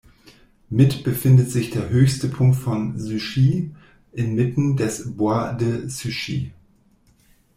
Mit befindet sich der höchste Punkt von Suchy inmitten des Bois de Suchy.